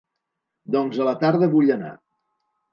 Doncs a la tarda vull anar.